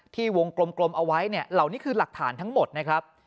วงกลมเอาไว้เนี่ยเหล่านี้คือหลักฐานทั้งหมดนะครับ